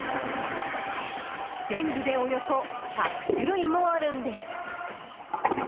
全部でおよそ１００種類もあるんです。